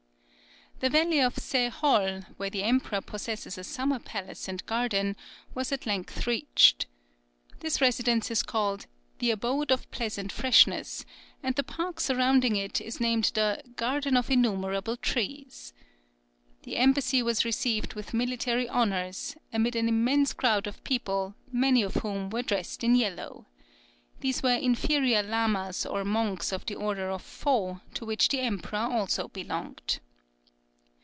The valley of Zhe Hol, where the emperor possesses a summer palace and garden, was at length reached. This residence is called "The abode of pleasant freshness," and the park surrounding it is named the "Garden of innumerable trees." The embassy was received with military honours, amid an immense crowd of people, many of whom were dressed in yellow. These were inferior lamas or monks of the order of Fo, to which the emperor also belonged.